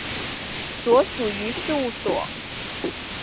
所属于事务所。